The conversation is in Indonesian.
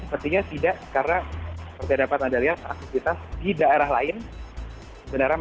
akan dimwhich lewat lebih dari lima orang apaka ini merupakan sebuah pelanggaran